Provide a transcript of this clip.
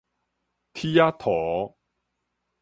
鐵仔塗